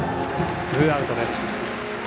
ツーアウトです。